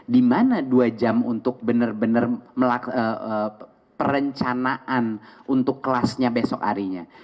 di mana dua jam untuk benar benar melakukan perencanaan untuk kelasnya besok harinya